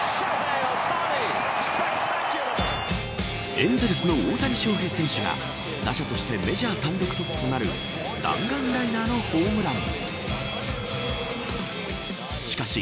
エンゼルスの大谷翔平選手が打者としてメジャー単独トップとなる弾丸ライナーのホームラン。